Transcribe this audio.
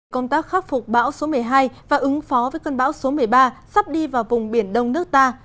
công tác khắc phục bão số một mươi hai và ứng phó với cơn bão số một mươi ba sắp đi vào vùng biển đông nước ta